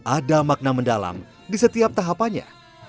ada makna mendalam di setiap tahapannya